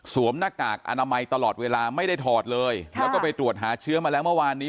หน้ากากอนามัยตลอดเวลาไม่ได้ถอดเลยแล้วก็ไปตรวจหาเชื้อมาแล้วเมื่อวานนี้